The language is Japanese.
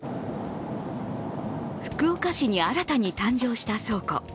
福岡市に新たに誕生した倉庫。